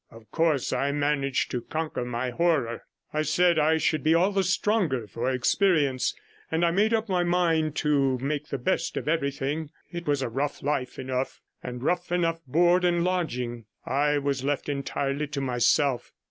Of course, I managed to conquer my horror; I said I should be all the stronger for experience, and I made up my mind to make the best of everything. It was a rough life enough, and rough enough board and lodging. I was left entirely to myself.